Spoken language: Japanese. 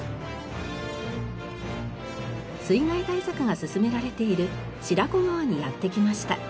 水害対策が進められている白子川にやって来ました。